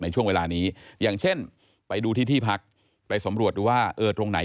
ช่วงเวลานี้อย่างเช่นไปดูที่ที่พักไปสำรวจดูว่าเออตรงไหน